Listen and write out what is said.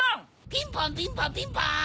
ピンポンピンポンピンポン！